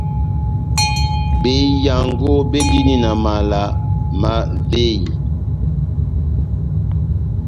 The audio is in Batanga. Behiyaango béndini na mala má véyi,